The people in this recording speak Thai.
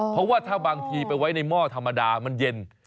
เพราะว่าถ้าบางทีไปไว้ในหม้อธรรมดามันเย็น